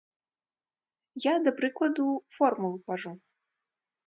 Я, да прыкладу, формулу кажу.